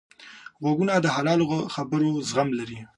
غوږونه د حلالو خبرو زغم لري